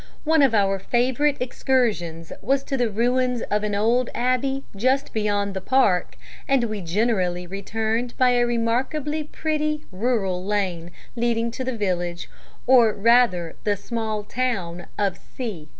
One of our favourite excursions was to the ruins of an old abbey just beyond the park, and we generally returned by a remarkably pretty rural lane leading to the village, or rather small town, of C